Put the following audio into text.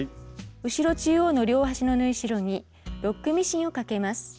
後ろ中央の両端の縫い代にロックミシンをかけます。